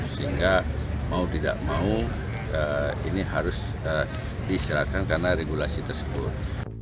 sehingga mau tidak mau ini harus diserahkan karena regulasi tersebut